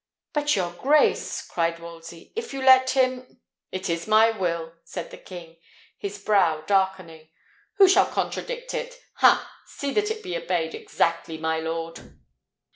"But, your grace," cried Wolsey, "if you let him " "It is my will," said the king, his brow darkening. "Who shall contradict it? Ha! See that it be obeyed exactly, my lord!"